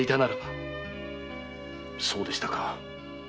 そうでしたか。